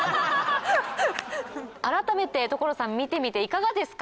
改めて所さん見てみていかがですか？